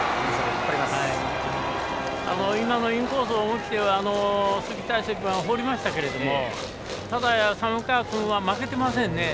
今も、インコース思い切って鈴木泰成君は放りましたけどもただ、寒川君は負けてませんね。